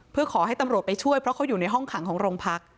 เพื่อขอให้ตำรวจไปช่วยเพราะเขาอยู่ในห้องขังของโรงพัก